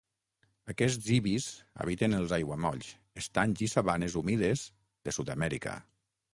Aquests ibis habiten els aiguamolls, estanys i sabanes humides de Sud-amèrica.